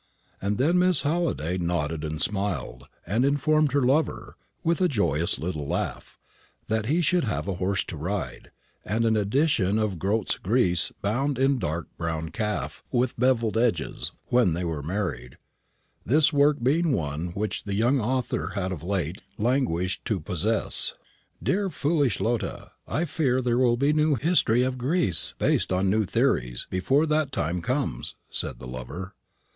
And then Miss Halliday had nodded and smiled, and had informed her lover, with a joyous little laugh, that he should have a horse to ride, and an edition of Grote's "Greece" bound in dark brown calf with bevelled edges, when they were married; this work being one which the young author had of late languished to possess. "Dear foolish Lotta, I fear there will be a new history of Greece, based on new theories, before that time comes," said the lover.